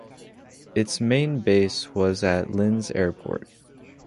Its main base was Linz Airport.